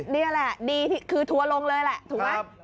นี่แหละดีคือทัวร์ลงเลยแหละถูกไหม